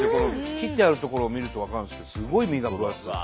切ってある所を見ると分かるんですけどすごい身が分厚い。